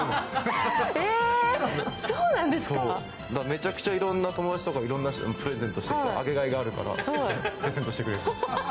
めちゃくちゃいろんな友達とか、いろんな人たちがプレゼントするとあげがいがあるからプレゼントしてくれる。